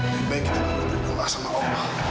minta yang kita berdoa sama allah